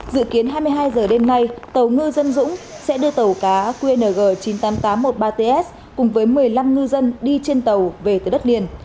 dự kiến hai mươi hai h đêm nay tàu ngư dân dũng sẽ đưa tàu cá qng chín mươi tám nghìn tám trăm một mươi ba ts cùng với một mươi năm ngư dân đi trên tàu về từ đất liền